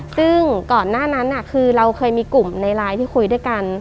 ซึ่งก่อนหน้านั้นคือเราเคยมีกลุ่มในไลน์ที่คุยด้วยกัน